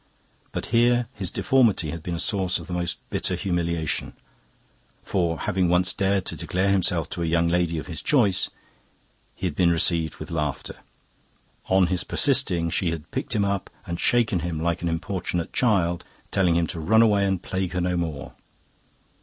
But here his deformity had been a source of the most bitter humiliation, for, having once dared to declare himself to a young lady of his choice, he had been received with laughter. On his persisting, she had picked him up and shaken him like an importunate child, telling him to run away and plague her no more.